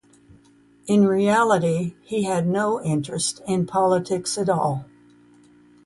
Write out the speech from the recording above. In reality, he had no interest in politics at all.